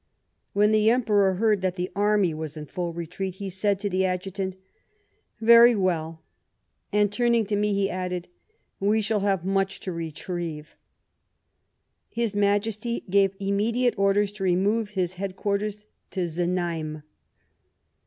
When the Emperor heard that the army was in full retreat, he said to the adju tant, * Very well,' and, turning to me, added, ' We shall have much to retrieve.' His Majesty gave immediate orders to remove his headquarters to Znaim."